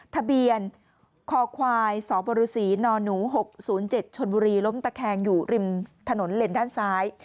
ทะเบียนคอควายสบรุษนหนู๖๐๗ชนบุรีล้มตะแคงอยู่ริมถนนเลนด้านซ้าย